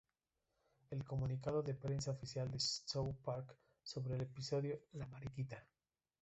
El comunicado de prensa oficial de South Park sobre el episodio "La mariquita.